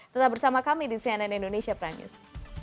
tetap bersama kami di cnn indonesia pranjur